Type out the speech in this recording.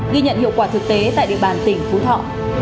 ghi nhận hiệu quả thực tế tại địa bàn tỉnh phú thọ